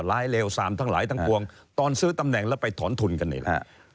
หลายเลวสามทั้งหลายทั้งพวงตอนซื้อตำแหน่งแล้วไปถอนทุนกันอีกแล้ว